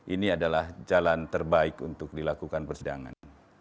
ini adalah jalan terbaik untuk dilakukan persidangan